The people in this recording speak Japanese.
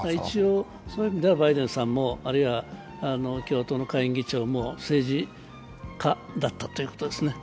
そういう意味ではバイデンさんも、あるいは共和党の下院議長も政治家だったということですね。